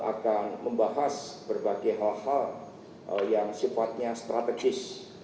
akan membahas berbagai hal hal yang sifatnya strategis